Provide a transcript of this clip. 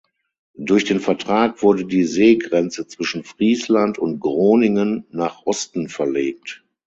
Durch den Vertrag wurde die Seegrenze zwischen Friesland und Groningen nach Osten verlegt.